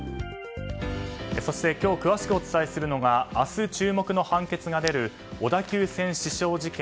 そして今日詳しくお伝えするのが明日注目の判決が出る小田急線刺傷事件